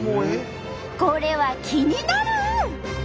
これは気になる！